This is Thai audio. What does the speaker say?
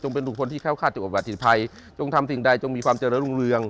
เป็นบุคคลที่แค้วคาดบัติภัยจงทำสิ่งใดจงมีความเจริญรุ่งเรือง